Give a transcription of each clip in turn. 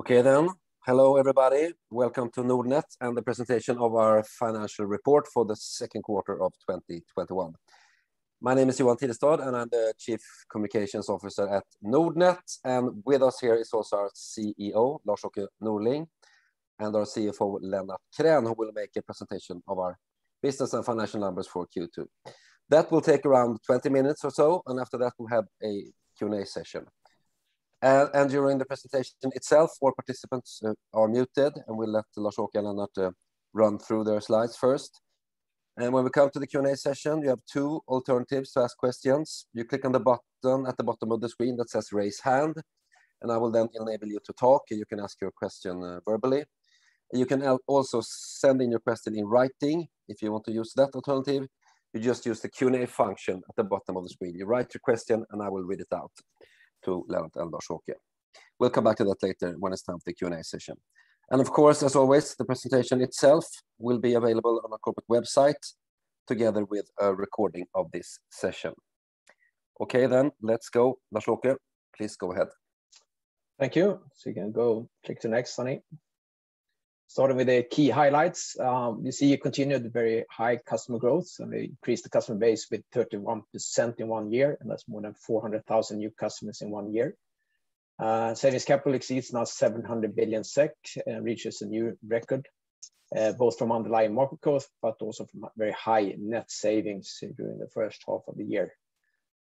Okay then. Hello everybody. Welcome to Nordnet and the presentation of our financial report for the second quarter of 2021. My name is Johan Tidestad, and I'm the Chief Communications Officer at Nordnet. With us here is also our CEO, Lars-Åke Norling, and our CFO, Lennart Krän, who will make a presentation of our business and financial numbers for Q2. That will take around 20 minutes or so, and after that, we'll have a Q&A session. During the presentation itself, all participants are muted, and we'll let Lars-Åke and Lennart run through their slides first. When we come to the Q&A session, we have two alternatives to ask questions. You click on the button at the bottom of the screen that says "Raise Hand," and I will then enable you to talk, and you can ask your question verbally. You can also send in your question in writing if you want to use that alternative. You just use the Q&A function at the bottom of the screen. You write your question, and I will read it out to Lennart and Lars-Åke. We'll come back to that later when it's time for the Q&A session. Of course, as always, the presentation itself will be available on our corporate website together with a recording of this session. Okay. Let's go. Lars-Åke please go ahead. Thank you. You can go click to next, Sonny. Starting with the key highlights. We continued very high customer growth, increased the customer base with 31% in one year, that's more than 400,000 new customers in one year. Savings capital exceeds now 700 billion SEK, reaches a new record both from underlying market growth, also from very high net savings during the first half of the year.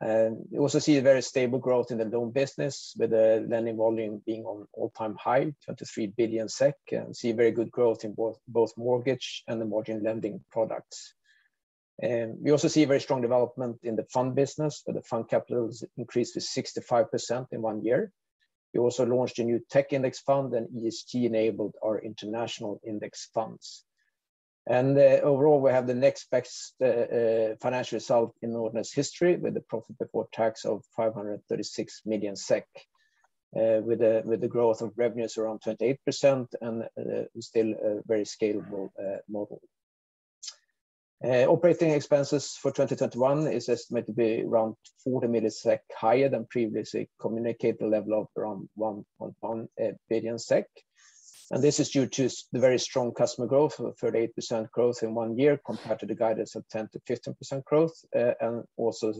We also see a very stable growth in the loan business with the lending volume being on all-time high, 23 billion SEK, see very good growth in both mortgage and the margin lending products. We also see very strong development in the fund business where the fund capital has increased with 65% in one year. We also launched a new tech index fund and ESG-enabled our international index funds. Overall, we have the next best financial result in Nordnet's history with a profit before tax of 536 million SEK with the growth of revenues around 28% and still a very scalable model. Operating expenses for 2021 is estimated to be around 40 million higher than previously communicated level of around 1.1 billion SEK, and this is due to the very strong customer growth of 38% growth in one year compared to the guidance of 10%-15% growth and also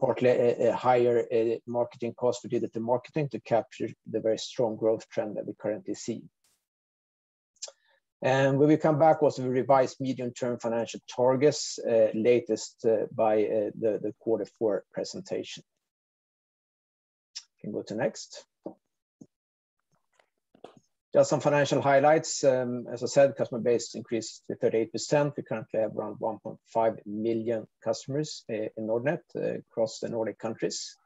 partly a higher marketing cost related to marketing to capture the very strong growth trend that we currently see. We will come back with revised medium-term financial targets latest by the quarter four presentation. Can go to next. Just some financial highlights. As I said, customer base increased to 38%. We currently have around 1.5 million customers in Nordnet across the Nordic countries.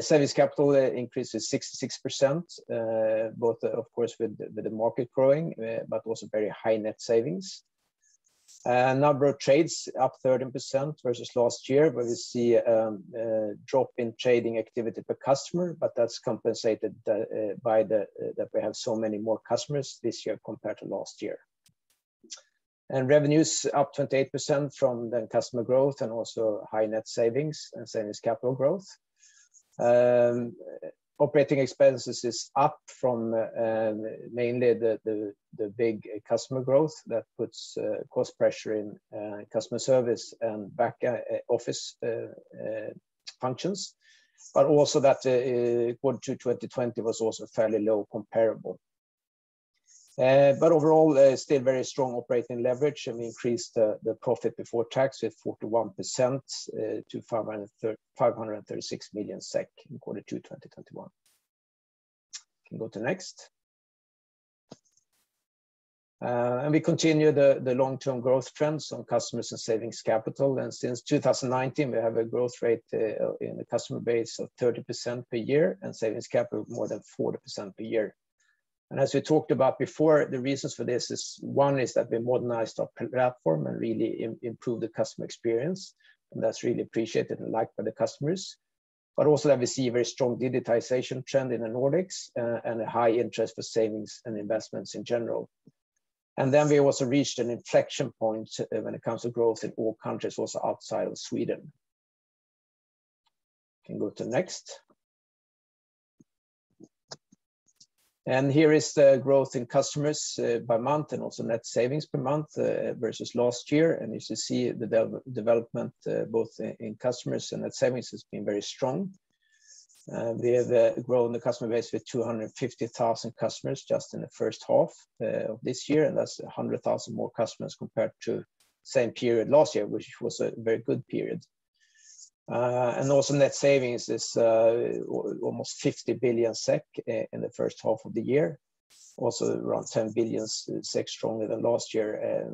Savings capital increased to 66% both of course with the market growing but also very high net savings. Number of trades up 13% versus last year where we see a drop in trading activity per customer, that's compensated by that we have so many more customers this year compared to last year. Revenues up 28% from the customer growth and also high net savings and savings capital growth. Operating expenses is up from mainly the big customer growth that puts cost pressure in customer service and back office functions, also that Q2 2020 was also fairly low comparable. Overall, still very strong operating leverage, we increased the profit before tax with 41% to SEK 536 million in Q2 2021. Can go to next. We continue the long-term growth trends on customers and savings capital. Since 2019, we have a growth rate in the customer base of 30% per year and savings capital more than 40% per year. As we talked about before, the reasons for this is one is that we modernized our platform and really improved the customer experience, and that's really appreciated and liked by the customers. Also that we see a very strong digitization trend in the Nordics and a high interest for savings and investments in general. We also reached an inflection point when it comes to growth in all countries also outside of Sweden. Can go to next. Here is the growth in customers by month and also net savings per month versus last year. As you see the development both in customers and net savings has been very strong. We have grown the customer base with 250,000 customers just in the first half of this year, and that's 100,000 more customers compared to same period last year, which was a very good period. Also net savings is almost 50 billion SEK in the first half of the year. Also around 10 billion SEK stronger than last year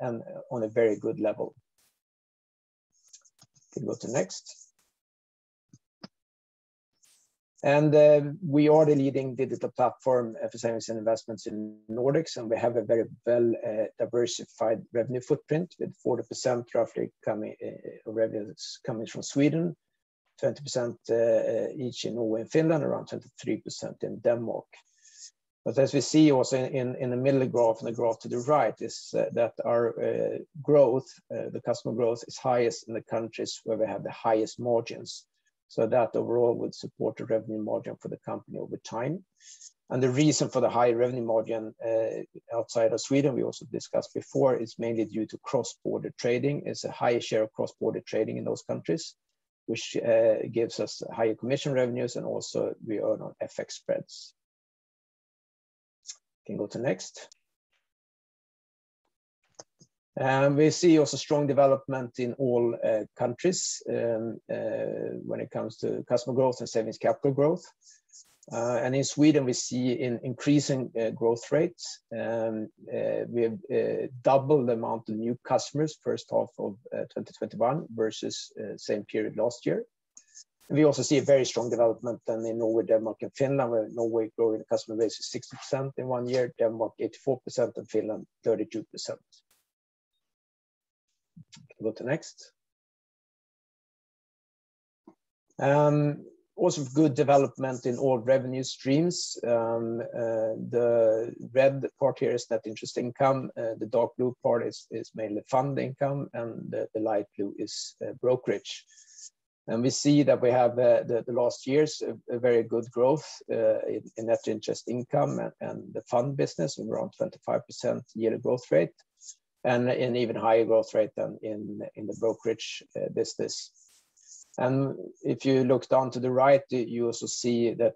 and on a very good level. Can go to next. We are the leading digital platform for savings and investments in Nordics, and we have a very well-diversified revenue footprint with 40% roughly revenues coming from Sweden, 20% each in Norway and Finland, around 23% in Denmark. As we see also in the middle of the graph and the graph to the right is that our growth, the customer growth, is highest in the countries where we have the highest margins. That overall would support the revenue margin for the company over time. The reason for the high revenue margin outside of Sweden, we also discussed before, is mainly due to cross-border trading. It's a high share of cross-border trading in those countries, which gives us higher commission revenues, and also we earn on FX spreads. Can go to next. We see also strong development in all countries when it comes to customer growth and savings capital growth. In Sweden, we see increasing growth rates. We have doubled the amount of new customers first half of 2021 versus same period last year. We also see a very strong development then in Norway, Denmark and Finland, where Norway growing customer base is 60% in one year, Denmark 84%, and Finland 32%. Can go to next. Also good development in all revenue streams. The red part here is net interest income. The dark blue part is mainly fund income and the light blue is brokerage. We see that we have the last years' very good growth in net interest income and the fund business of around 25% yearly growth rate and an even higher growth rate than in the brokerage business. If you look down to the right, you also see that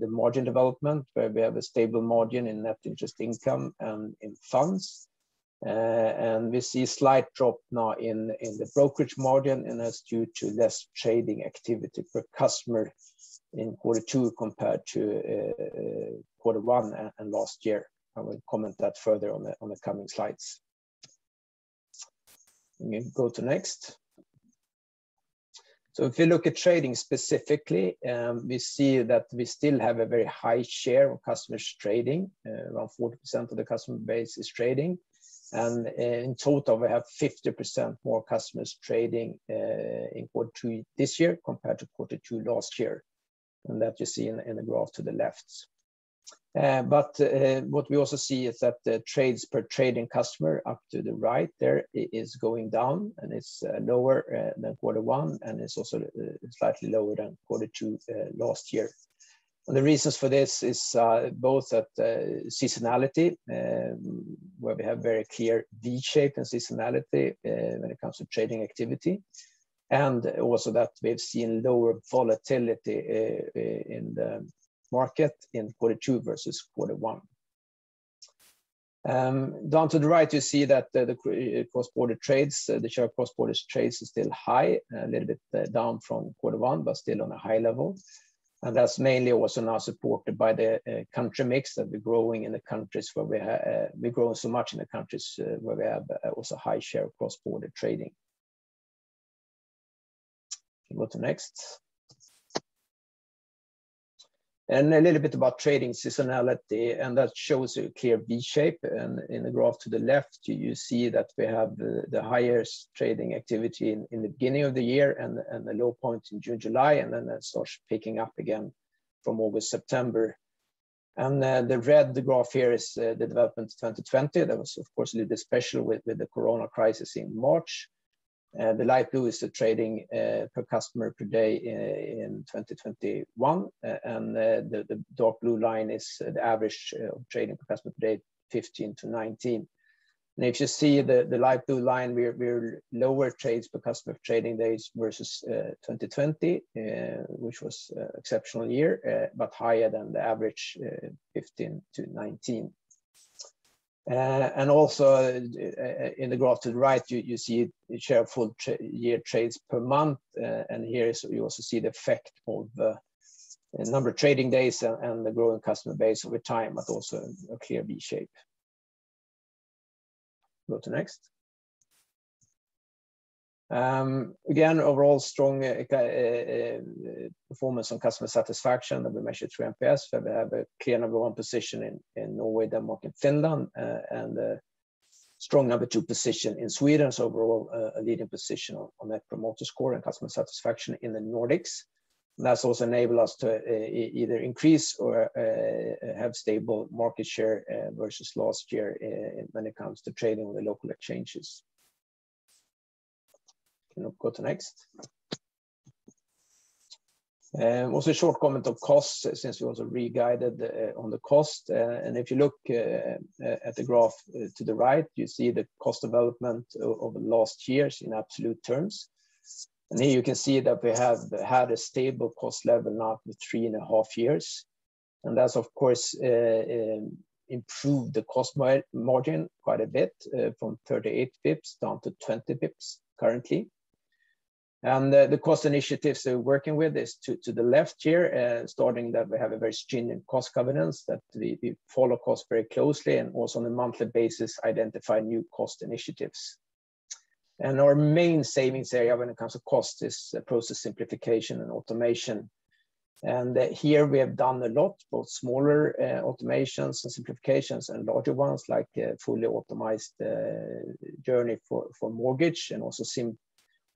the margin development where we have a stable margin in net interest income and in funds, and we see slight drop now in the brokerage margin, and that's due to less trading activity per customer in quarter two compared to quarter one and last year. I will comment that further on the coming slides. We can go to next. If you look at trading specifically, we see that we still have a very high share of customers trading. Around 40% of the customer base is trading and in total, we have 50% more customers trading in quarter two this year compared to quarter two last year. That you see in the graph to the left. What we also see is that the trades per trading customer up to the right there is going down and it's lower than quarter one and it's also slightly lower than quarter two last year. The reasons for this is both that seasonality, where we have very clear V shape and seasonality when it comes to trading activity and also that we've seen lower volatility in the market in quarter two versus quarter one. Down to the right, you see that the cross-border trades, the share of cross-border trades is still high, a little bit down from quarter one, but still on a high level. That's mainly also now supported by the country mix that we're growing in the countries where we have also high share of cross-border trading. Can go to next. A little bit about trading seasonality, and that shows a clear V shape. In the graph to the left, you see that we have the highest trading activity in the beginning of the year and the low point in June, July. That starts picking up again from August, September. The red graph here is the development of 2020. That was of course a little bit special with the corona crisis in March. The light blue is the trading per customer per day in 2021. The dark blue line is the average trading per customer per day 2015-2019. If you see the light blue line, we're lower trades per customer trading days versus 2020, which was exceptional year but higher than the average 2015-2019. Also in the graph to the right, you see the share full year trades per month. Here you also see the effect of the number of trading days and the growing customer base over time, but also a clear V shape. Go to next. Again, overall strong performance on customer satisfaction that we measured through NPS, where we have a clear number one position in Norway, Denmark and Finland and a strong number two position in Sweden. Overall a leading position on that promoter score and customer satisfaction in the Nordics. That's also enabled us to either increase or have stable market share versus last year when it comes to trading on the local exchanges. Can go to next. Also a short comment of costs since we also re-guided on the cost. If you look at the graph to the right, you see the cost development over the last years in absolute terms. Here you can see that we have had a stable cost level now for three and a half years. That's of course improved the cost margin quite a bit from 38 basis points down to 20 basis points currently. The cost initiatives we're working with is to the left here, starting that we have a very stringent cost governance that we follow cost very closely and also on a monthly basis identify new cost initiatives. Our main savings area when it comes to cost is process simplification and automation. Here we have done a lot, both smaller automations and simplifications and larger ones like fully optimized journey for mortgage and also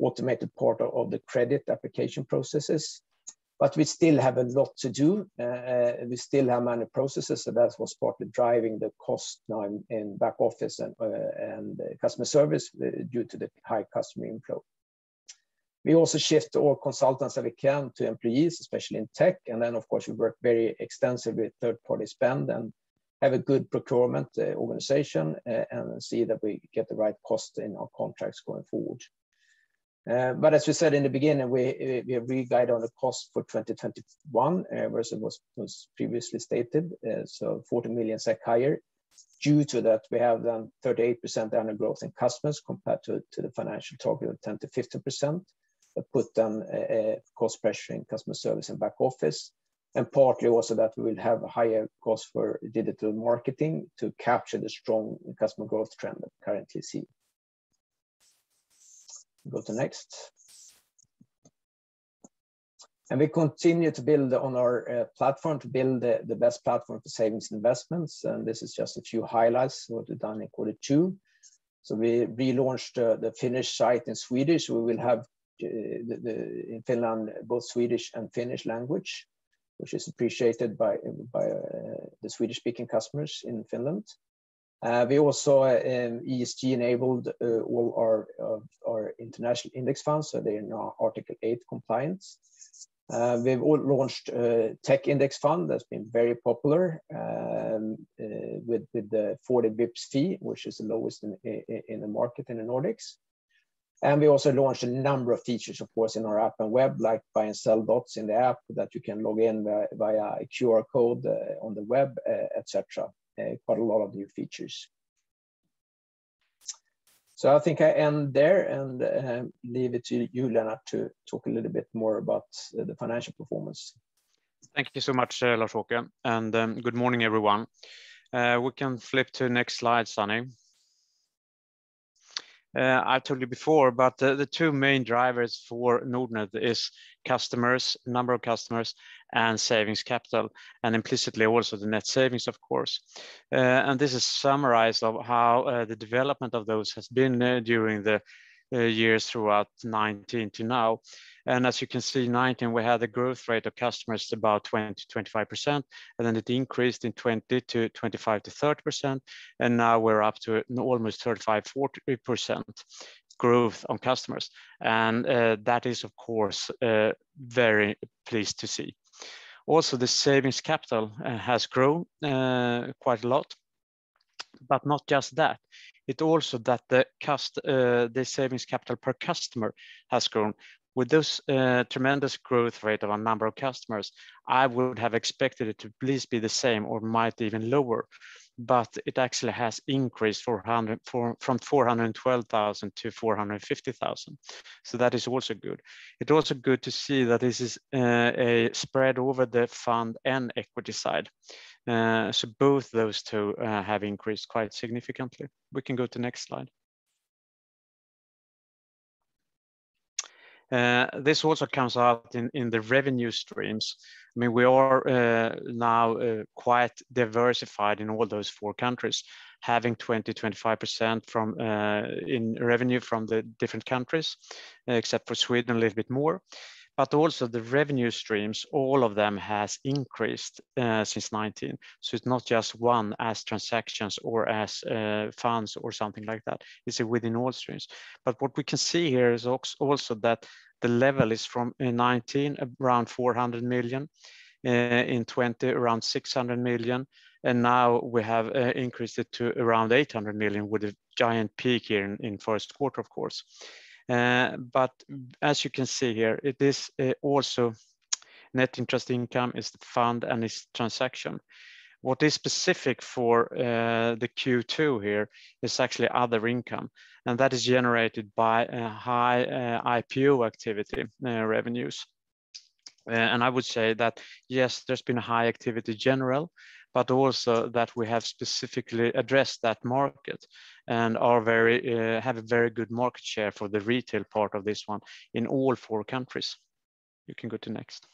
automated part of the credit application processes. We still have a lot to do. We still have manual processes, so that was partly driving the cost now in back office and customer service due to the high customer inflow. We also shift all consultants that we can to employees, especially in tech, and then of course we work very extensively with third-party spend and have a good procurement organization and see that we get the right cost in our contracts going forward. As we said in the beginning, we have re-guided on the cost for 2021 versus what was previously stated. 40 million SEK higher due to that we have then 38% annual growth in customers compared to the financial target of 10%-15%, that put down a cost pressure in customer service and back office, and partly also that we'll have higher cost for digital marketing to capture the strong customer growth trend that we currently see. Go to next. We continue to build on our platform to build the best platform for savings and investments, and this is just a few highlights what we've done in quarter two. We relaunched the Finnish site in Swedish. We will have in Finland both Swedish and Finnish language, which is appreciated by the Swedish-speaking customers in Finland. We also ESG-enabled all our international index funds so they're now Article 8 compliant. We've launched a tech index fund that's been very popular with the 40 basis points fee, which is the lowest in the market in the Nordics. We also launched a number of features, of course, in our app and web, like buy and sell dots in the app that you can log in via QR code on the web, etc. Quite a lot of new features. I think I end there and leave it to you, Lennart, to talk a little bit more about the financial performance. Thank you so much, Lars-Åke Norling, good morning, everyone. We can flip to next slide, Sonny. I told you before, the two main drivers for Nordnet is customers, number of customers, and savings capital, and implicitly also the net savings, of course. This is summarized of how the development of those has been during the years throughout 2019 to now. As you can see, 2019, we had a growth rate of customers about 20%-25%, then it increased in 2020 to 25%-30%, now we're up to almost 35%-40% growth on customers. That is, of course, very pleased to see. Also, the savings capital has grown quite a lot, but not just that, it also that the savings capital per customer has grown. With this tremendous growth rate of our number of customers, I would have expected it to at least be the same or might even lower, but it actually has increased from 412,000-450,000. That is also good. It's also good to see that this is spread over the fund and equity side. Both those two have increased quite significantly. We can go to next slide. This also comes out in the revenue streams. We are now quite diversified in all those four countries, having 20%, 25% in revenue from the different countries, except for Sweden, a little bit more. Also the revenue streams, all of them has increased since 2019. It's not just one as transactions or as funds or something like that, it's within all streams. What we can see here is also that the level is from in 2019, around 400 million, in 2020 around 600 million, and now we have increased it to around 800 million with a giant peak here in first quarter, of course. As you can see here, it is also net interest income is fund and is transaction. What is specific for the Q2 here is actually other income, that is generated by high IPO activity revenues. I would say that yes, there's been a high activity general, but also that we have specifically addressed that market and have a very good market share for the retail part of this one in all four countries. You can go to next.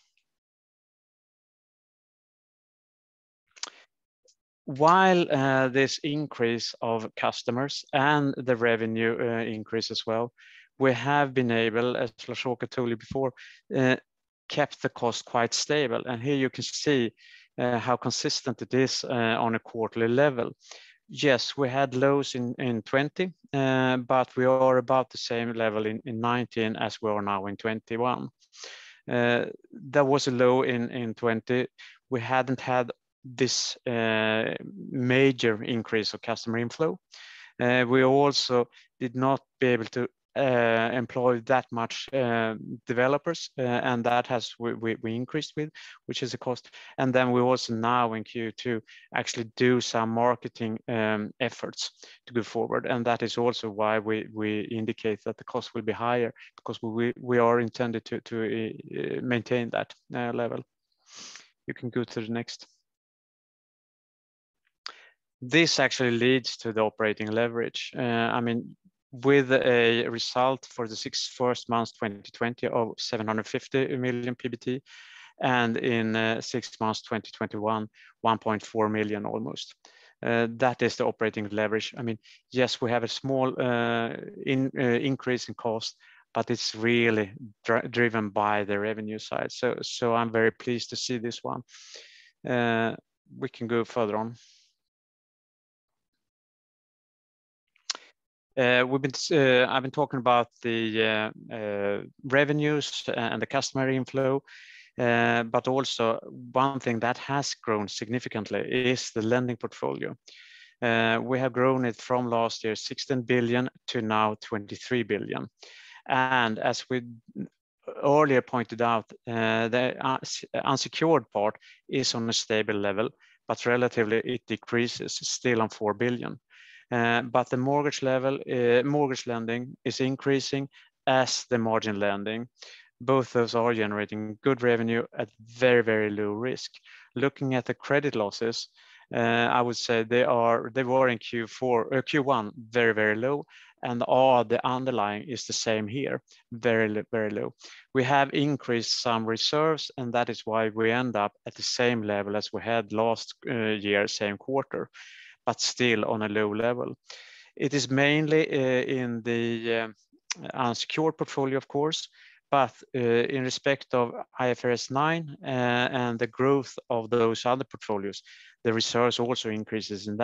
While this increase of customers and the revenue increase as well, we have been able, as Lars-Åke Norling told you before, kept the cost quite stable and here you can see how consistent it is on a quarterly level. Yes, we had lows in 2020, but we are about the same level in 2019 as we are now in 2021. There was a low in 2020. We hadn't had this major increase of customer inflow. We also did not be able to employ that much developers, and that we increased with, which is a cost. We also now in Q2 actually do some marketing efforts to go forward, and that is also why we indicate that the cost will be higher because we are intended to maintain that level. You can go to the next. This actually leads to the operating leverage. With a result for the six first months 2020 of 750 million PBT, and in six months 2021, 1.4 million almost. That is the operating leverage. Yes, we have a small increase in cost, but it's really driven by the revenue side. I'm very pleased to see this one. We can go further on. I've been talking about the revenues and the customer inflow. Also one thing that has grown significantly is the lending portfolio. We have grown it from last year, 16 billion to now 23 billion. As we earlier pointed out, the unsecured part is on a stable level, but relatively it decreases still on 4 billion. The mortgage lending is increasing as the margin lending, both those are generating good revenue at very low risk. Looking at the credit losses, I would say they were in Q1 very low, and all the underlying is the same here, very low. We have increased some reserves, and that is why we end up at the same level as we had last year, same quarter, but still on a low level. It is mainly in the unsecured portfolio, of course, but in respect of IFRS 9 and the growth of those other portfolios, the reserves also increases in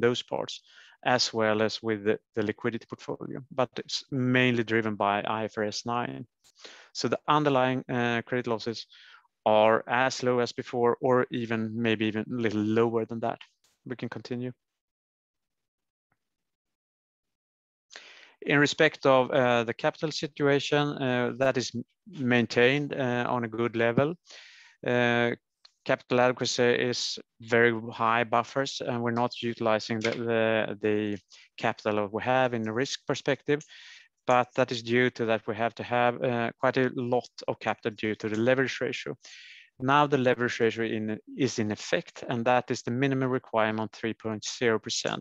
those parts as well as with the liquidity portfolio. It's mainly driven by IFRS 9. The underlying credit losses are as low as before or even maybe even a little lower than that. We can continue. In respect of the capital situation that is maintained on a good level. Capital adequacy is very high buffers, and we're not utilizing the capital we have in the risk perspective, but that is due to that we have to have quite a lot of capital due to the leverage ratio. Now the leverage ratio is in effect, and that is the minimum requirement, 3.0%.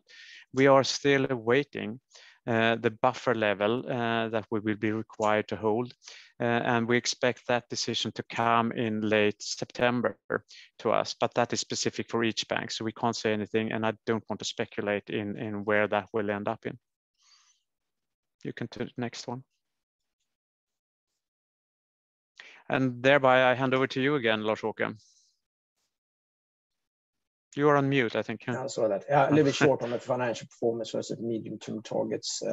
We are still awaiting the buffer level that we will be required to hold, and we expect that decision to come in late September to us. That is specific for each bank, so we can't say anything, and I don't want to speculate in where that will end up in. You can turn next one. Thereby, I hand over to you again, Lars-Åke. You are on mute, I think. Yeah, I saw that. Yeah, a little bit short on the financial performance versus medium-term targets.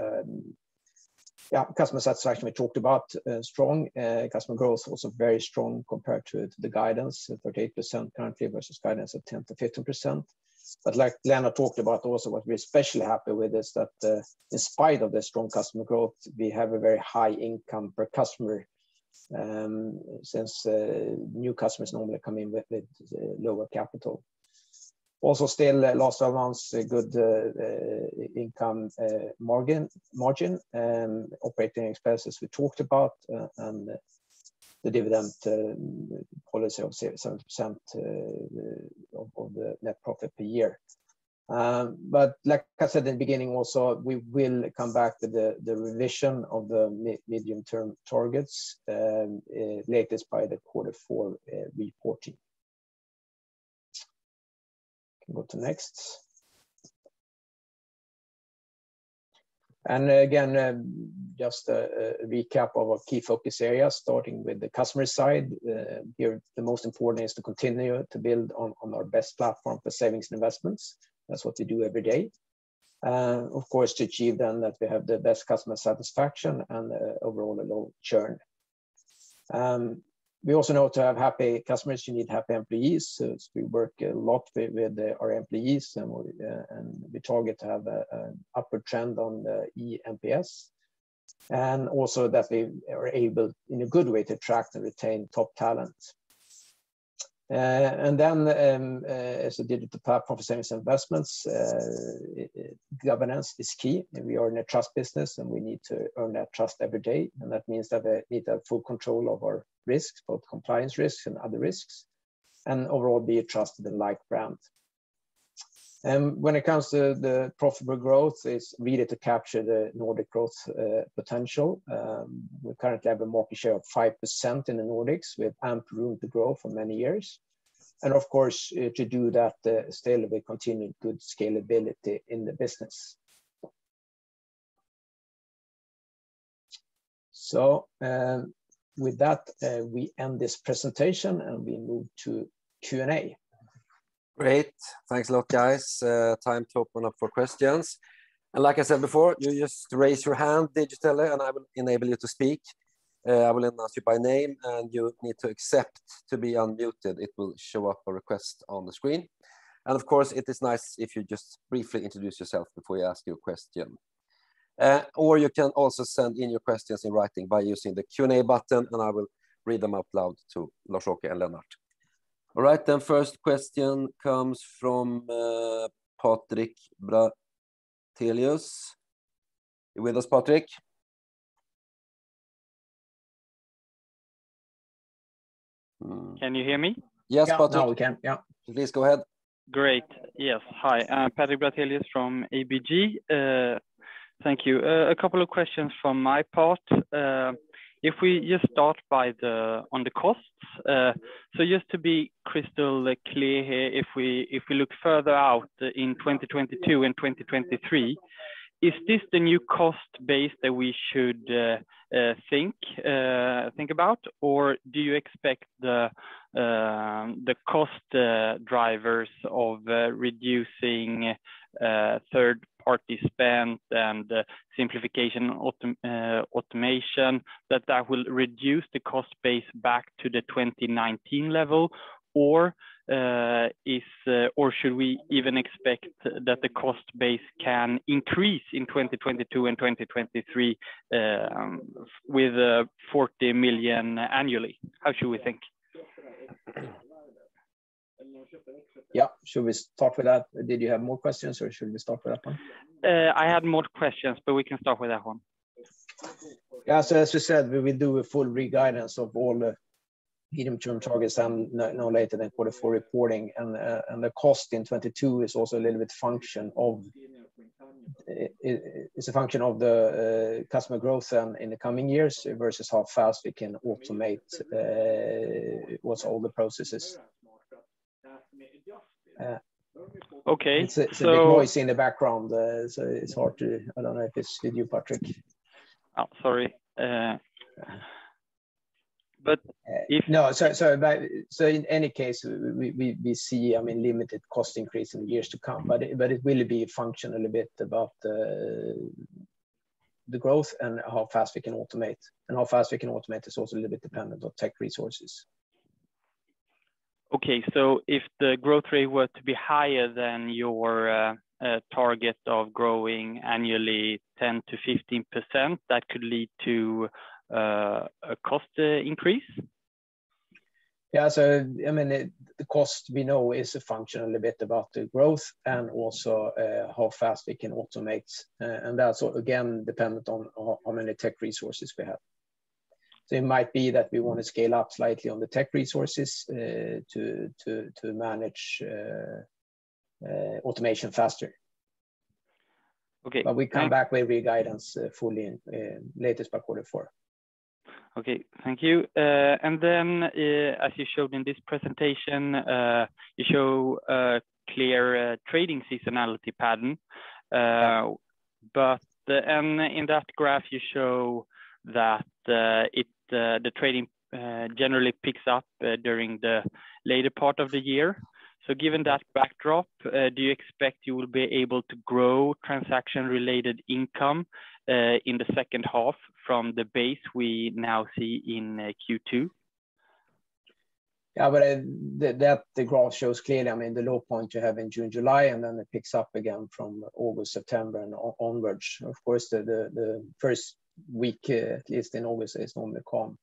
Yeah, customer satisfaction we talked about strong. Customer growth was very strong compared to the guidance, 38% currently versus guidance of 10%-15%. Like Lennart talked about also, what we're especially happy with is that despite of the strong customer growth, we have a very high income per customer since new customers normally come in with lower capital. Still last but not least a good income margin and operating expenses we talked about and the dividend policy of 7% of the net profit per year. Like I said in the beginning also, we will come back to the revision of the medium-term targets latest by the quarter four reporting. Can go to next. Again just a recap of our key focus areas, starting with the customer side. Here the most important is to continue to build on our best platform for savings and investments. That's what we do every day. Of course, to achieve then that we have the best customer satisfaction and overall a low churn. We also know to have happy customers, you need happy employees. We work a lot with our employees and we target to have an upward trend on the eNPS and also that we are able, in a good way, to attract and retain top talent. As I did it, the profit centers investments governance is key. We are in a trust business and we need to earn that trust every day. That means that we need to have full control of our risks, both compliance risks and other risks, and overall be a trusted and liked brand. When it comes to the profitable growth, it's really to capture the Nordic growth potential. We currently have a market share of 5% in the Nordics. We have ample room to grow for many years. Of course, to do that still, we continue good scalability in the business. With that we end this presentation and we move to Q&A. Great. Thanks a lot, guys. Time to open up for questions. Like I said before, you just raise your hand digitally and I will enable you to speak. I will announce you by name, and you need to accept to be unmuted. It will show up a request on the screen. Of course, it is nice if you just briefly introduce yourself before you ask your question. You can also send in your questions in writing by using the Q&A button, and I will read them out loud to Lars-Åke and Lennart. First question comes from Patrik Brattelius. You with us, Patrik? Can you hear me? Yes, Patrik. Now we can, yeah. Please go ahead. Great. Yes. Hi, Patrik Brattelius from ABG. Thank you. A couple of questions from my part. If we just start on the costs. Just to be crystal clear here, if we look further out in 2022 and 2023, is this the new cost base that we should think about? Do you expect the cost drivers of reducing third-party spend and simplification automation that will reduce the cost base back to the 2019 level? Should we even expect that the cost base can increase in 2022 and 2023 with 40 million annually? How should we think? Yeah. Should we start with that? Did you have more questions or should we start with that one? I had more questions, but we can start with that one. Yeah. As we said, we will do a full re-guidance of all the medium-term targets no later than quarter four reporting. The cost in 2022 is also a little bit function of the customer growth in the coming years versus how fast we can automate what's all the processes. It's a big noise in the background, so I don't know if it's you, Patrik. Sorry. No. Sorry about it. In any case, we see limited cost increase in years to come, but it will be functional a bit about the growth and how fast we can automate. How fast we can automate is also a little bit dependent on tech resources. Okay. If the growth rate were to be higher than your target of growing annually 10%-15%, that could lead to a cost increase? Yeah. The cost we know is a function a little bit about the growth and also how fast we can automate. That's, again, dependent on how many tech resources we have. It might be that we want to scale up slightly on the tech resources to manage automation faster. We come back with re-guidance fully latest by quarter four. Okay. Thank you. As you showed in this presentation you show a clear trading seasonality pattern. In that graph you show that the trading generally picks up during the later part of the year. Given that backdrop do you expect you will be able to grow transaction-related income in the second half from the base we now see in Q2? The graph shows clearly the low point you have in June, July, and then it picks up again from August, September, and onwards. Of course, the first week at least in August is normally calm.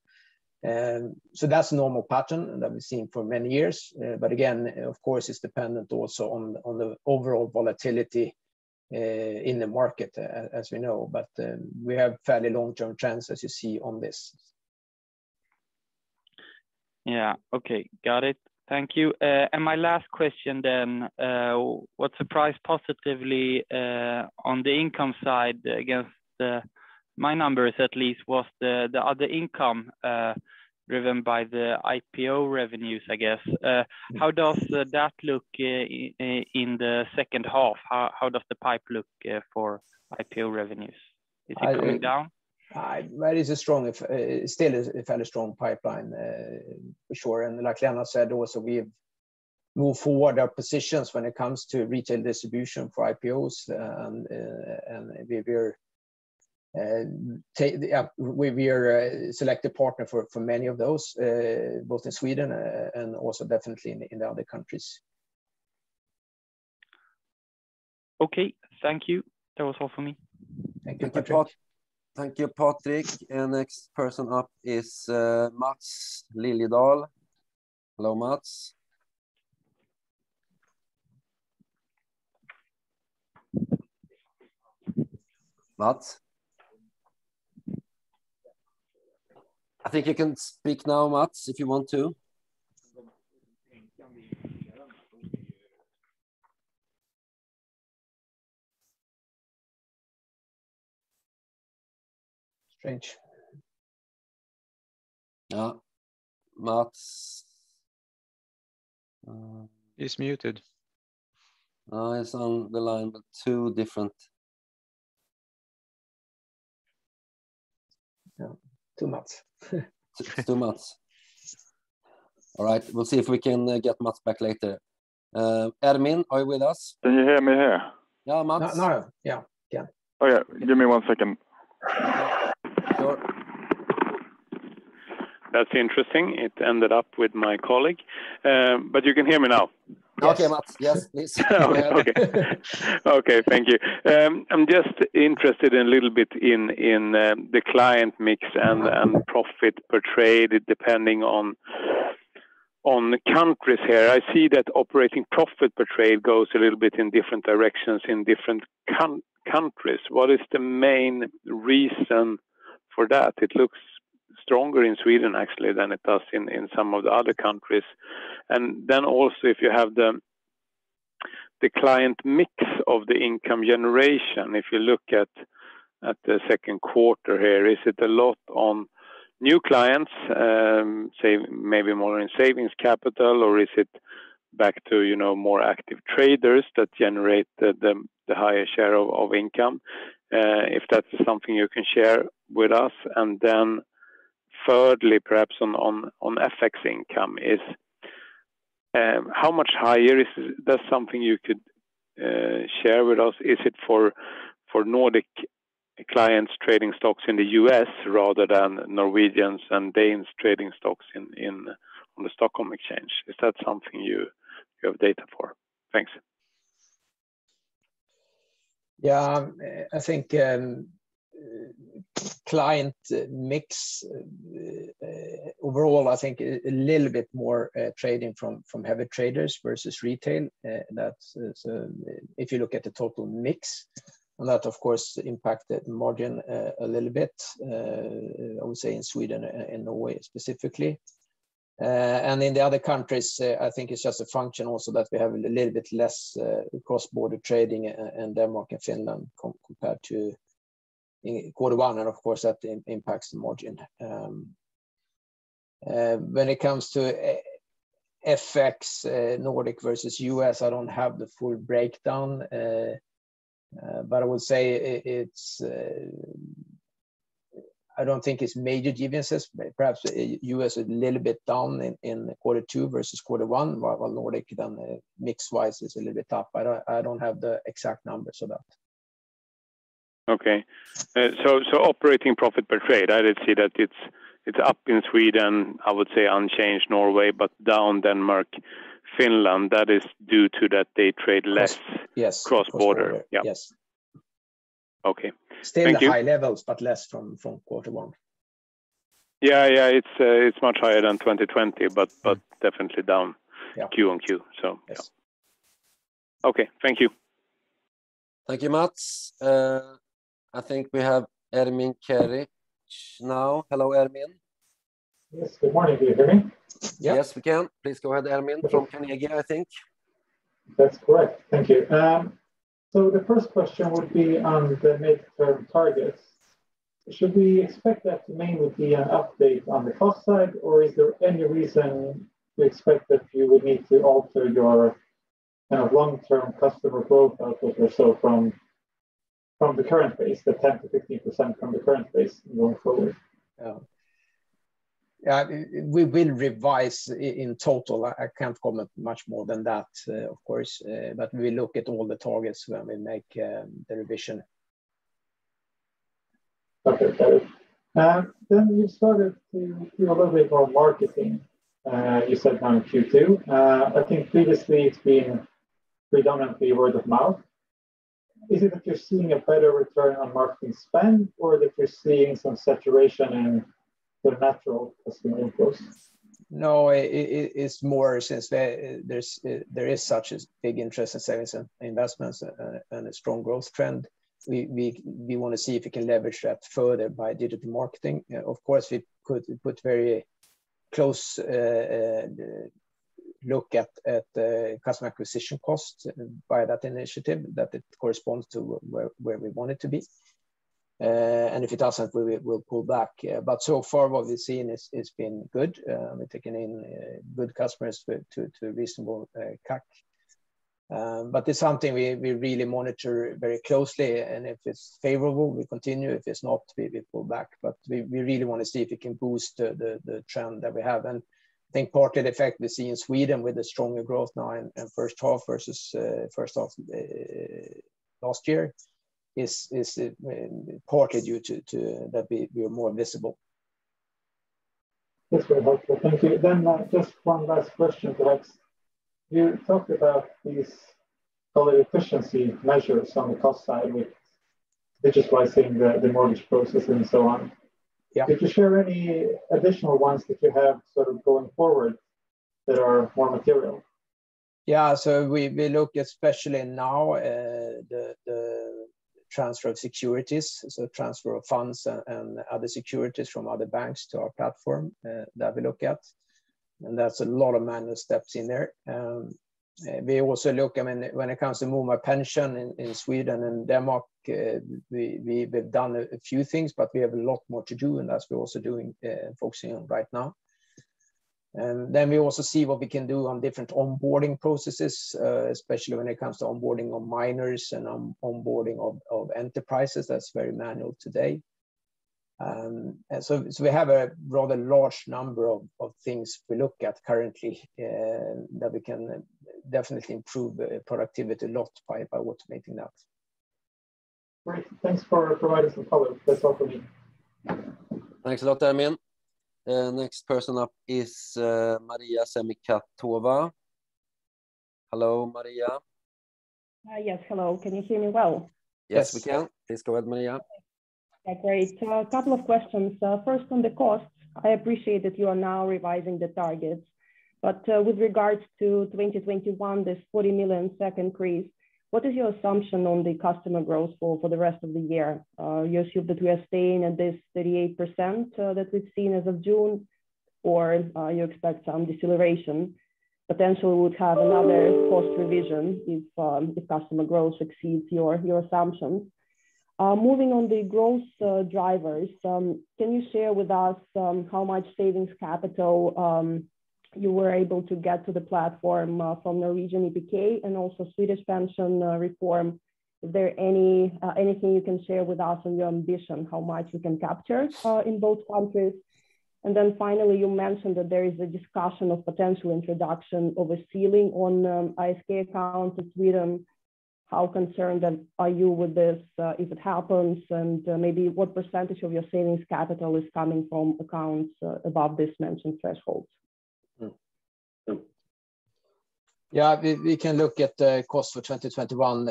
That's a normal pattern that we've seen for many years. Again, of course, it's dependent also on the overall volatility in the market as we know. We have fairly long-term trends as you see on this. Yeah. Okay. Got it. Thank you. My last question then what surprised positively on the income side against my numbers at least was the other income driven by the IPO revenues, I guess. How does that look in the second half? How does the pipe look for IPO revenues? Is it coming down? There is still a fairly strong pipeline for sure. Like Lennart said also, we've moved forward our positions when it comes to retail distribution for IPOs. We're selected partner for many of those both in Sweden and also definitely in the other countries. Okay. Thank you. That was all for me. Thank you, Patrik. Thank you, Patrik. Next person up is Maths Liljedahl. Hello, Maths. Maths? I think you can speak now, Maths, if you want to. Strange. Yeah. Maths. He's muted. He's on the line two different. Yeah. Two Maths. Two Maths. All right, we'll see if we can get Maths back later. Ermin, are you with us? Can you hear me here? Yeah, Maths. Now, yeah. Yeah. Okay. Give me one second. Sure. That's interesting. It ended up with my colleague. You can hear me now? Okay, Maths. Yes, please. Okay. Thank you. I'm just interested a little bit in the client mix and profit per trade depending on countries here. I see that operating profit per trade goes a little bit in different directions in different countries. What is the main reason for that? It looks stronger in Sweden actually than it does in some of the other countries. Also if you have the client mix of the income generation, if you look at the second quarter here, is it a lot on new clients maybe more in savings capital or is it back to more active traders that generate the higher share of income, if that's something you can share with us? Thirdly, perhaps on FX income is, how much higher? Is that something you could share with us? Is it for Nordic clients trading stocks in the U.S. rather than Norwegians and Danes trading stocks on the Stockholm exchange? Is that something you have data for? Thanks. Yeah. I think client mix overall, I think a little bit more trading from heavy traders versus retail if you look at the total mix, and that of course impacted margin a little bit I would say in Sweden and Norway specifically. In the other countries, I think it's just a function also that we have a little bit less cross-border trading in Denmark and Finland compared to quarter one, and of course, that impacts the margin. When it comes to FX Nordic versus US, I don't have the full breakdown, but I would say I don't think it's major differences, perhaps US a little bit down in quarter two versus quarter one, while Nordic then mix wise is a little bit up. I don't have the exact numbers of that. Okay. Operating profit per trade, I did see that it is up in Sweden, I would say unchanged Norway, down Denmark, Finland. That is due to that they trade cross border. Yes. Okay. Thank you. Still at high levels, but less from Q1. Yeah. It's much higher than 2020, but definitely down Q on Q. Yes. Okay. Thank you. Thank you, Maths. I think we have Ermin Keric now. Hello, Ermin. Yes, good morning. Can you hear me? Yes, we can. Please go ahead, Ermin from Carnegie, I think. That's correct. Thank you. The first question would be on the midterm targets. Should we expect that to mainly be an update on the cost side, or is there any reason we expect that you would need to alter your long-term customer profile from the current base, the 10%-15% from the current base going forward? Yeah. We will revise in total. I can't comment much more than that, of course, but we look at all the targets when we make the revision. Okay, got it. You started to do a little bit more marketing you said now in Q2. I think previously it's been predominantly word of mouth. Is it that you're seeing a better return on marketing spend or that you're seeing some saturation in the natural customer inflows? It's more since there is such a big interest in savings and investments and a strong growth trend. We want to see if we can leverage that further by digital marketing. Of course, we put very close look at the customer acquisition cost by that initiative that it corresponds to where we want it to be. If it doesn't, we'll pull back. So far what we've seen it's been good. We've taken in good customers to reasonable CAC. It's something we really monitor very closely and if it's favorable, we continue. If it's not, we pull back. We really want to see if we can boost the trend that we have. I think part of the effect we see in Sweden with the stronger growth now in first half versus first half last year is partly due to that we are more visible. That's very helpful. Thank you. Just one last question, Lars-Åke. You talked about these quality efficiency measures on the cost side with digitalizing the mortgage process and so on. Yeah. Could you share any additional ones that you have going forward that are more material? Yeah. We look especially now the transfer of securities, so transfer of funds and other securities from other banks to our platform that we look at, and that's a lot of manual steps in there. We also look when it comes to [Movar] pension in Sweden and Denmark we've done a few things, but we have a lot more to do, and that's we're also doing focusing on right now. We also see what we can do on different onboarding processes, especially when it comes to onboarding of minors and onboarding of enterprises that's very manual today. We have a rather large number of things we look at currently that we can definitely improve productivity a lot by automating that. Great. Thanks for providing some color. That's all for me. Thanks a lot, Ermin. Next person up is Maria Semikhatova. Hello, Maria. Hi. Yes. Hello. Can you hear me well? Yes, we can. Please go ahead, Maria. Yeah, great. A couple of questions. First on the cost, I appreciate that you are now revising the targets, but with regards to 2021, this 40 million increase, what is your assumption on the customer growth for the rest of the year? You assume that we are staying at this 38% that we've seen as of June, or you expect some deceleration potentially would have another cost revision if customer growth exceeds your assumptions? Moving on the growth drivers, can you share with us how much savings capital you were able to get to the platform from the Norwegian EPK and also Swedish pension reform? Is there anything you can share with us on your ambition, how much you can capture in both countries? Finally, you mentioned that there is a discussion of potential introduction of a ceiling on ISK accounts in Sweden. How concerned are you with this if it happens, and maybe what percentage of your savings capital is coming from accounts above this mentioned threshold? We can look at the cost for 2021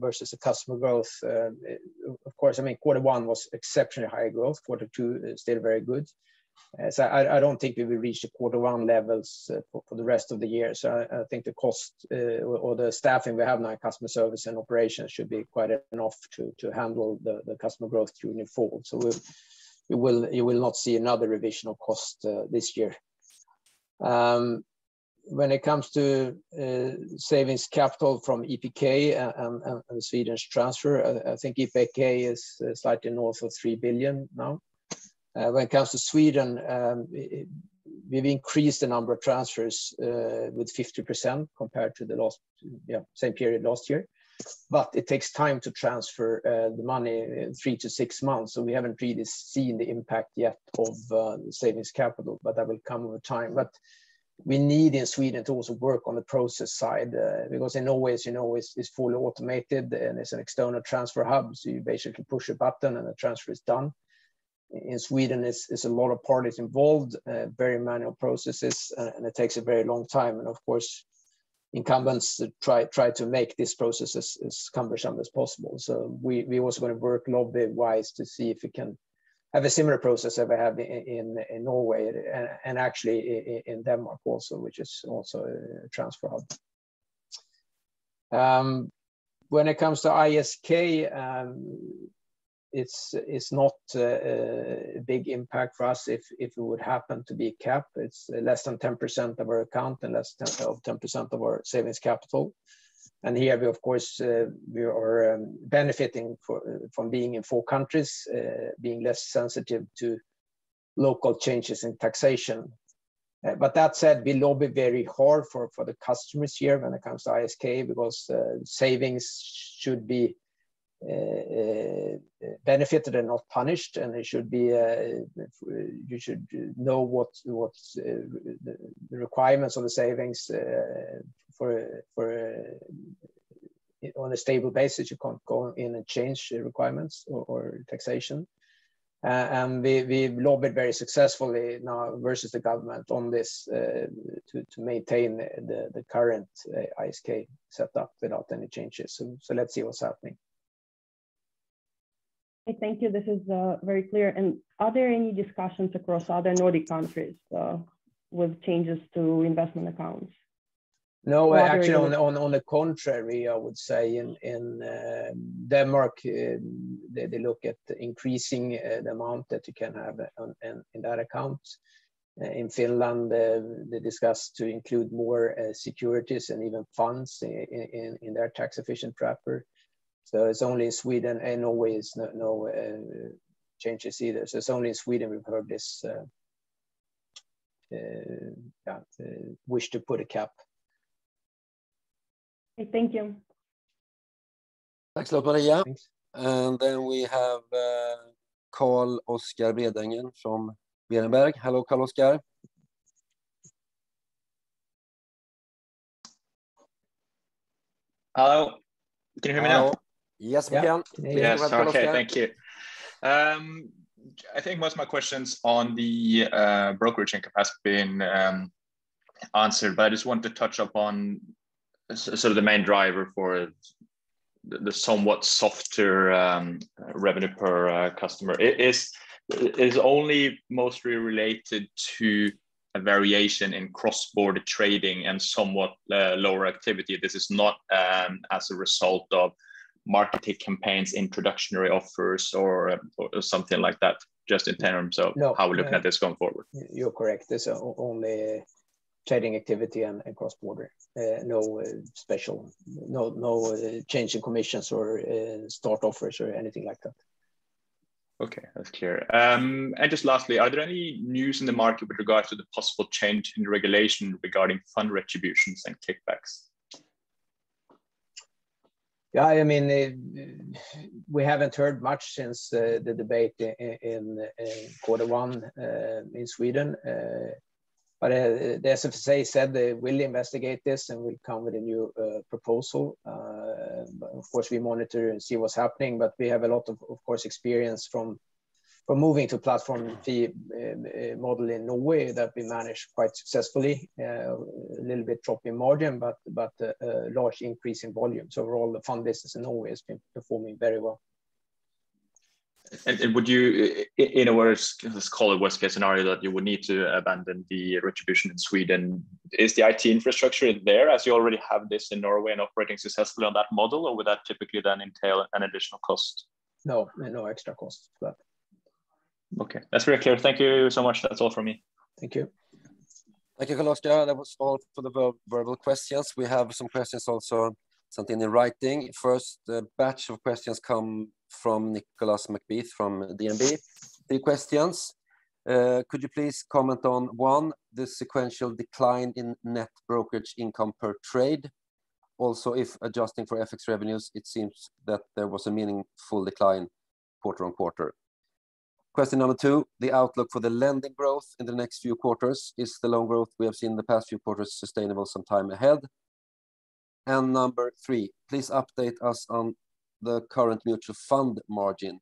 versus the customer growth. Of course, Q1 was exceptionally high growth, Q2 is still very good. I don't think we will reach the Q1 levels for the rest of the year. I think the cost or the staffing we have now in customer service and operations should be quite enough to handle the customer growth through fall. You will not see another revision of cost this year. When it comes to savings capital from EPK and Sweden's transfer, I think EPK is slightly north of 3 billion now. When it comes to Sweden, we've increased the number of transfers with 50% compared to the same period last year. It takes time to transfer the money, three to six months, so we haven't really seen the impact yet of savings capital, but that will come over time. We need in Sweden to also work on the process side because in Norway, as you know, it's fully automated and it's an external transfer hub, so you basically push a button and the transfer is done. In Sweden, it's a lot of parties involved, very manual processes, and it takes a very long time, and of course, incumbents try to make these processes as cumbersome as possible. We also going to work lobby-wise to see if we can have a similar process that we have in Norway, and actually in Denmark also, which is also a transfer hub. When it comes to ISK, it's not a big impact for us if it would happen to be capped. It's less than 10% of our account and less than 10% of our savings capital. Here, we are benefiting from being in four countries, being less sensitive to local changes in taxation. That said, we lobby very hard for the customers here when it comes to ISK because savings should be benefited and not punished, and you should know what the requirements on the savings on a stable basis. You can't go in and change the requirements or taxation. We've lobbied very successfully now versus the government on this to maintain the current ISK set up without any changes. Let's see what's happening. Thank you. This is very clear. Are there any discussions across other Nordic countries with changes to investment accounts? No, actually, on the contrary, I would say in Denmark they look at increasing the amount that you can have in that account. In Finland, they discuss to include more securities and even funds in their tax efficient wrapper. It's only Sweden, and Norway is no changes either. It's only in Sweden we've heard this wish to put a cap. Okay, thank you. Thanks a lot, Maria. Then we have Carl-Oscar Green Bredengen from Berenberg. Hello, Carl-Oscar. Hello. Can you hear me now? Hello. Yes, we can. Yes. Okay. Thank you. I think most of my questions on the brokerage and capacity have been answered, but I just wanted to touch upon the main driver for the somewhat softer revenue per customer. It is only mostly related to a variation in cross-border trading and somewhat lower activity. This is not as a result of marketing campaigns, introductory offers, or something like that, just in terms of how we're looking at this going forward. You're correct. It's only trading activity and cross border. No change in commissions or start offers or anything like that. Okay, that's clear. Just lastly, are there any news in the market with regard to the possible change in regulation regarding fund retributions and kickbacks? We haven't heard much since the debate in quarter one in Sweden. The FI said they will investigate this and will come with a new proposal. Of course, we monitor and see what's happening, but we have a lot of experience from moving to platform fee model in Norway that we managed quite successfully, a little bit drop in margin, but a large increase in volume. Overall, the fund business in Norway has been performing very well. Would you, in a worst case scenario that you would need to abandon the distribution in Sweden, is the IT infrastructure there as you already have this in Norway and operating successfully on that model, or would that typically then entail an additional cost? No extra costs for that. Okay. That's very clear. Thank you so much. That's all from me. Thank you. Thank you, Carl-Oscar. That was all for the verbal questions. We have some questions also, something in writing. First batch of questions come from Nicolas McBeath from DNB. Three questions. Could you please comment on, one, the sequential decline in net brokerage income per trade? Also, if adjusting for FX revenues, it seems that there was a meaningful decline quarter-on-quarter. Question number two, the outlook for the lending growth in the next few quarters. Is the loan growth we have seen in the past few quarters sustainable some time ahead? Number three, please update us on the current mutual fund margin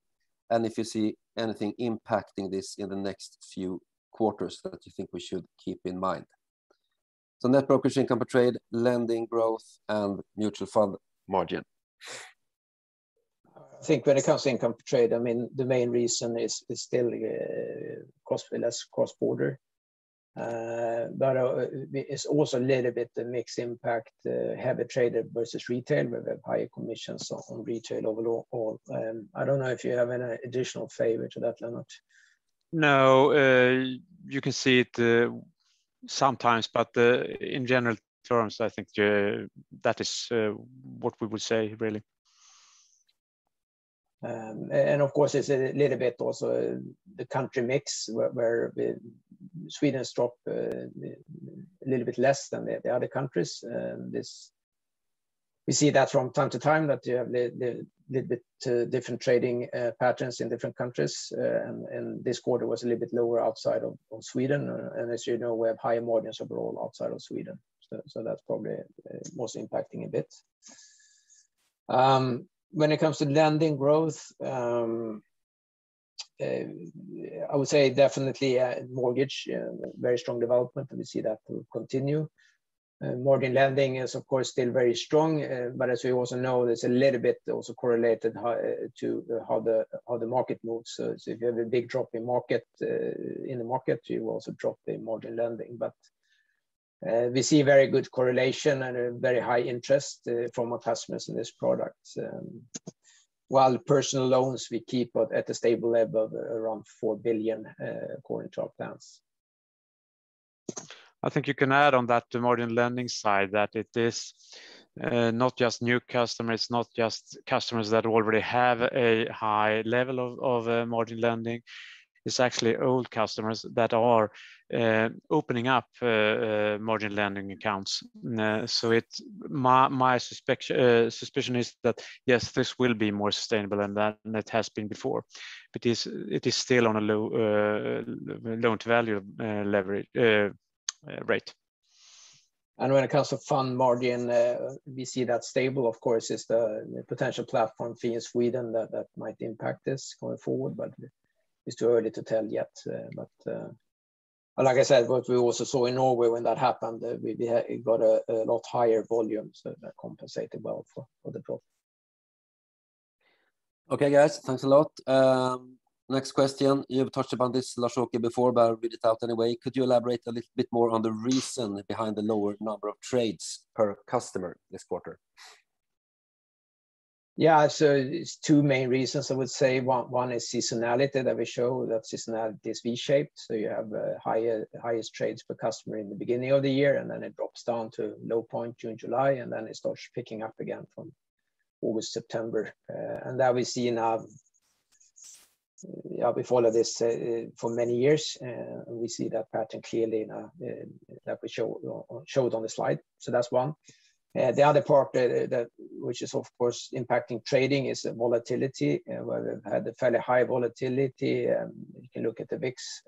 and if you see anything impacting this in the next few quarters that you think we should keep in mind. Net brokerage income per trade, lending growth, and mutual fund margin. I think when it comes to income per trade, the main reason is still less cross-border. It's also a little bit of mixed impact, heavy traded versus retail with higher commissions on retail overall. I don't know if you have any additional favor to that, Lennart. No, you can see it sometimes, but in general terms, I think that is what we would say, really. Of course, it's a little bit also the country mix where Sweden's dropped a little bit less than the other countries. We see that from time to time that you have the little bit different trading patterns in different countries, and this quarter was a little bit lower outside of Sweden. As you know, we have higher margins overall outside of Sweden, so that's probably most impacting a bit. When it comes to lending growth, I would say definitely mortgage, very strong development, and we see that will continue. Margin lending is, of course, still very strong. As we also know, it's a little bit also correlated to how the market moves. If you have a big drop in the market, you also drop the margin lending. We see very good correlation and a very high interest from our customers in this product. While personal loans we keep at a stable level of around 4 billion according to uptrends. I think you can add on that margin lending side that it is not just new customers, not just customers that already have a high level of margin lending. It is actually old customers that are opening up margin lending accounts. My suspicion is that, yes, this will be more sustainable than it has been before. It is still on a low loan-to-value rate. When it comes to fund margin we see that stable, of course, is the potential platform fee in Sweden that might impact this going forward, but it's too early to tell yet. Like I said, what we also saw in Norway when that happened, we got a lot higher volume, so that compensated well for the drop. Okay, guys, thanks a lot. Next question, you've touched upon this, Lars-Åke, before, but I'll read it out anyway. Could you elaborate a little bit more on the reason behind the lower number of trades per customer this quarter? Yeah, it's two main reasons I would say. One is seasonality that we show that seasonality is V-shaped. You have highest trades per customer in the beginning of the year, it drops down to low point June, July, it starts picking up again from August, September. We've followed this for many years, we see that pattern clearly now that we showed on the slide. That's one. The other part which is of course impacting trading is the volatility, where we've had a fairly high volatility. You can look at the VIX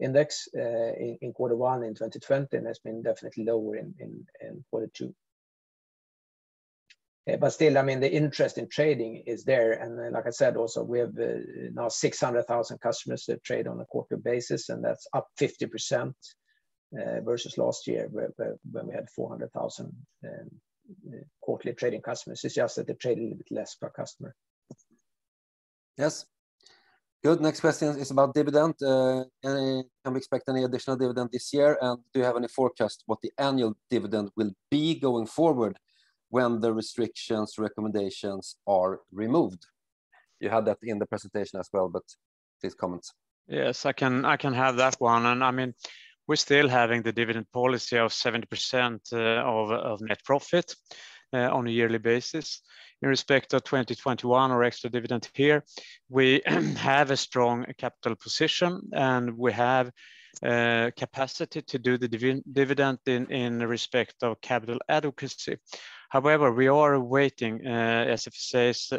index in quarter one in 2020, it's been definitely lower in quarter two. Still, the interest in trading is there, like I said also, we have now 600,000 customers that trade on a quarterly basis, that's up 50% versus last year where we had 400,000 quarterly trading customers. It's just that they trade a little bit less per customer. Yes. Good. Next question is about dividend. Can we expect any additional dividend this year? Do you have any forecast what the annual dividend will be going forward when the restrictions, recommendations are removed? You had that in the presentation as well, but please comment. Yes, I can have that one. We're still having the dividend policy of 70% of net profit on a yearly basis. In respect of 2021 or extra dividend here, we have a strong capital position, and we have capacity to do the dividend in respect of capital adequacy. However, we are waiting, as it says,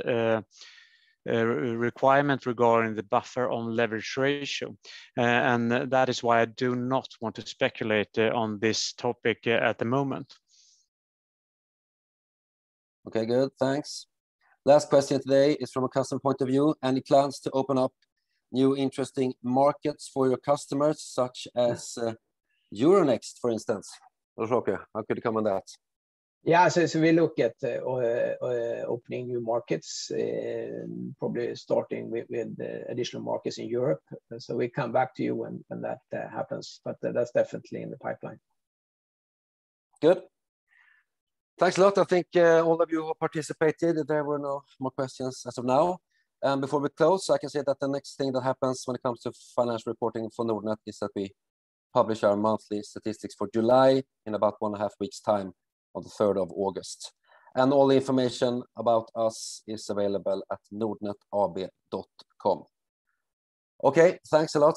requirement regarding the buffer on leverage ratio. That is why I do not want to speculate on this topic at the moment. Okay, good. Thanks. Last question today is from a customer point of view. Any plans to open up new interesting markets for your customers, such as Euronext, for instance? Lars-Åke, how could you comment on that? Yeah. We look at opening new markets, probably starting with additional markets in Europe. We come back to you when that happens. That's definitely in the pipeline. Good. Thanks a lot. I thank all of you who participated. There were no more questions as of now. Before we close, I can say that the next thing that happens when it comes to financial reporting for Nordnet is that we publish our monthly statistics for July in about one and a half weeks' time on the 3rd of August. All the information about us is available at nordnetab.com. Okay. Thanks a lot.